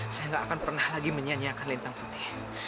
saya nggak akan pernah lagi menyanyikan lintang putih